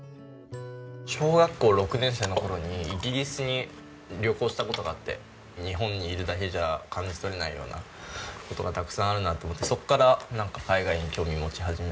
小学校６年生の頃にイギリスに旅行した事があって日本にいるだけじゃ感じ取れないような事がたくさんあるなと思ってそこから海外に興味を持ち始めて。